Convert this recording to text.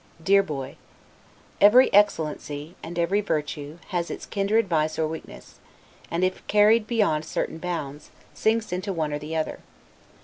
DEAR Boy: Every excellency, and every virtue, has its kindred vice or weakness; and if carried beyond certain bounds, sinks into one or the other.